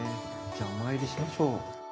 じゃあお参りしましょう。